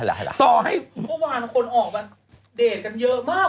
พอวานคนออกมาเดทกันเยอะมาก